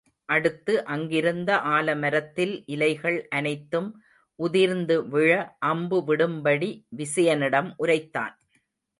அடுத்து அங்கிருந்த ஆலமரத்தில் இலைகள் அனைத்தும் உதிர்ந்து விழ அம்பு விடும்படி விசயனிடம் உரைத்தான்.